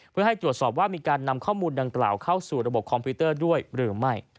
เพื่อให้ตรวจสอบว่ามีการนำข้อมูลดังกล่าวเข้าสู่ระบบคอมพิวเตอร์ด้วยหรือไม่